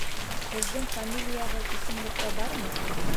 Һеҙҙең фамилияғыҙ исемлектә бармы?